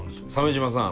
鮫島さん。